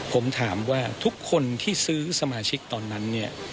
ผมถามว่าทุกคนที่ซื้อสมาชิกตอนนั้นเนี่ย